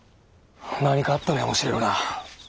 何かあったのやもしれぬな。